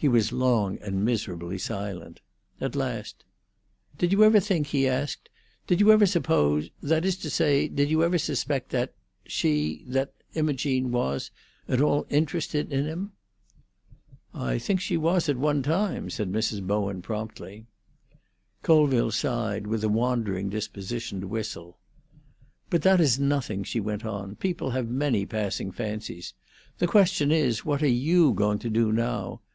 He was long and miserably silent. At last, "Did you ever think," he asked, "did you ever suppose—that is to say, did you ever suspect that—she—that Imogene was—at all interested in him?" "I think she was—at one time," said Mrs. Bowen promptly. Colville sighed, with a wandering disposition to whistle. "But that is nothing," she went on. "People have many passing fancies. The question is, what are you going to do now?